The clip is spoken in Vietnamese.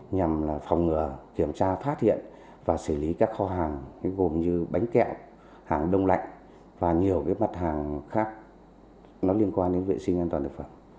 nhằm phòng ngừa kiểm tra phát hiện và xử lý các kho hàng gồm như bánh kẹo hàng đông lạnh và nhiều mặt hàng khác nó liên quan đến vệ sinh an toàn thực phẩm